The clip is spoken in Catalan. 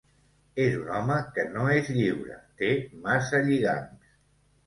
És un home que no és lliure: té massa lligams.